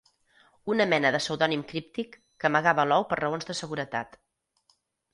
Una mena de pseudònim críptic que amagava l'ou per raons de seguretat.